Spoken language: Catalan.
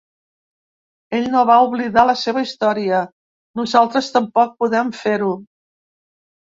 Ell no va oblidar la seva història; nosaltres tampoc podem fer-ho.